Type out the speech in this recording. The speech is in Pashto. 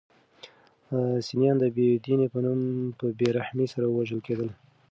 سنیان د بې دین په نوم په بې رحمۍ سره وژل کېدل.